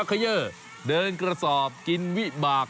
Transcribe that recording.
เขย่อเดินกระสอบกินวิบาก